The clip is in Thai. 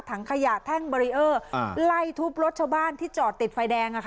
ฐังขยะหรือฐังบรีเออร์ไล่ทุบรถชาวบ้านที่จอดติดไฟแดง